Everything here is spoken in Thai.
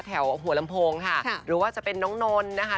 แถวหัวลำโพงค่ะหรือว่าจะเป็นน้องนนท์นะคะ